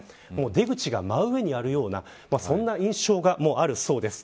出口が真上にあるようなそんな印象があるそうです。